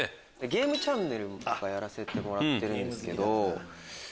ゲームチャンネルやらせてもらってるんですけど。